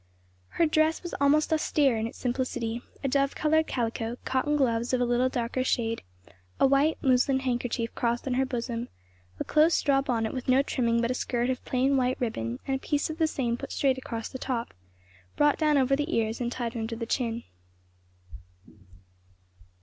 Her dress was almost austere in its simplicity; a dove colored calico, cotton gloves of a little darker shade, a white muslin handkerchief crossed on her bosom, a close straw bonnet with no trimming but a skirt of plain, white ribbon and a piece of the same put straight across the top, brought down over the ears and tied under the chin.